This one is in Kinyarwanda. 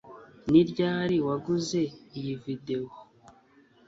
Ni ryari waguze iyi video